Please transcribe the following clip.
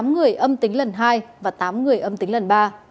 tám người âm tính lần hai và tám người âm tính lần ba